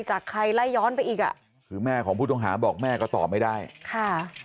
จะใครล่ะย้อนเวอร์อีกะแม่ของผู้ต้องหาบอกแม่ก็ตอบไม่ได้ค่ะ